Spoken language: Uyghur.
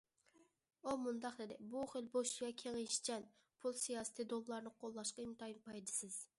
ئۇ مۇنداق دېدى: بۇ خىل بوش ۋە كېڭىيىشچان پۇل سىياسىتى دوللارنى قوللاشقا ئىنتايىن پايدىسىز.